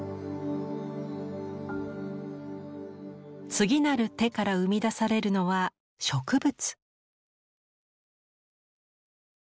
次なる手から生み出されるのは植物。